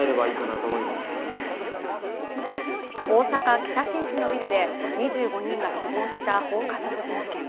大阪・北新地のビルで２５人が死亡した放火殺人事件。